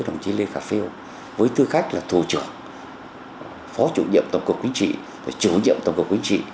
đồng chí lê khả phiêu với tư cách là thủ trưởng phó chủ nhiệm tổng cục chính trị và chủ nhiệm tổng cục chính trị